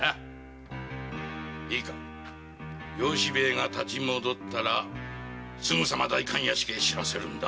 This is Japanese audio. いいか由兵衛が立ち戻ったらすぐさま代官屋敷へ知らせるんだ。